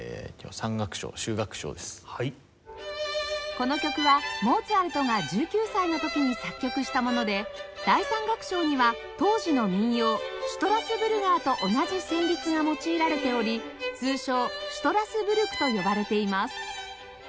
この曲はモーツァルトが１９歳の時に作曲したもので第３楽章には当時の民謡「シュトラスブルガー」と同じ旋律が用いられており通称「シュトラスブルク」と呼ばれています